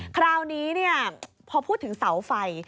คราวนี้พอพูดถึงเสาไฟ